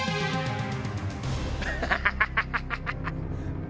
ハハハハ！